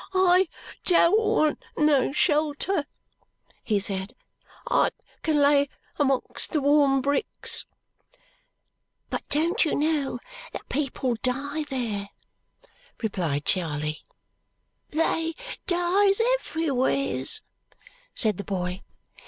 "I don't want no shelter," he said; "I can lay amongst the warm bricks." "But don't you know that people die there?" replied Charley. "They dies everywheres," said the boy.